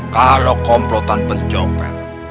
kalau komplotan pencopet